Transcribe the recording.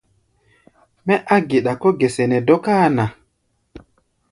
Mɛ́ á geɗa kɔ̧́ gɛsɛ nɛ dɔ́káa ná.